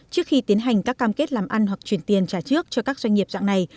trước khi tiến hành các cam kết làm ăn hoặc chuyển tiền trả trước cho các doanh nghiệp dạng này